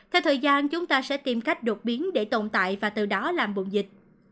theo thời gian chúng ta sẽ tìm cách đột biến để tồn tại và từ đó làm bụng dịch